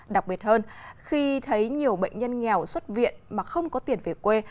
đặc biệt hơn khi thấy nhiều bệnh nhân nghèo xuất viện mà không có tiền về quê